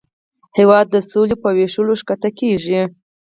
هېواد د سولې په ویشلو ښکته کېږي.